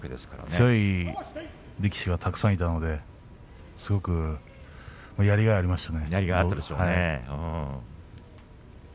強い力士がたくさんいたのでやりがいはありましたね。